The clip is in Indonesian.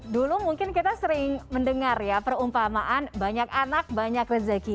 dulu mungkin kita sering mendengar ya perumpamaan banyak anak banyak rezeki